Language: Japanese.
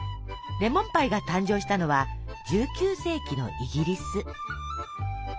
レモンパイが誕生したのは１９世紀のイギリス。